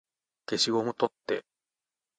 消しゴム取って